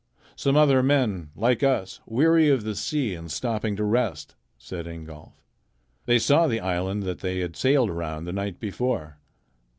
"Some other men, like us, weary of the sea and stopping to rest," said Ingolf. They saw the island that they had sailed around the night before.